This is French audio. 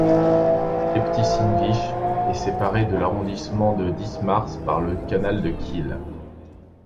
Aebtissinwisch est séparé de l'arrondissement de Dithmarse par le canal de Kiel.